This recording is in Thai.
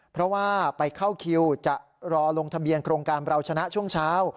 เพราะว่าไปเข้าคิวจะรอลงทะเบียนโครงการเราชนะช่วงเช้า